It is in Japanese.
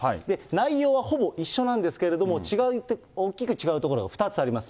内容はほぼ一緒なんですけれども、大きく違うところが２つあります。